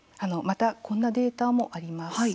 またこんなデータもあります。